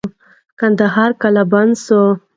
کندهار قلابند سو.